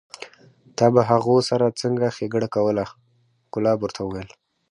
تا به هغو سره څنګه ښېګڼه کوله؟ کلاب ورته وویل: